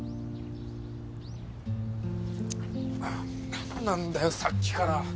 何なんだよさっきから。